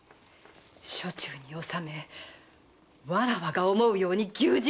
掌中に納めわらわが思うように牛耳るのじゃ。